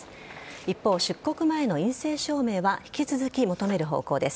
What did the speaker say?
一方、出国前の陰性証明は引き続き求める方向です。